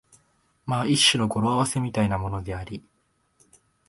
まあ一種の語呂合せみたいなものであり、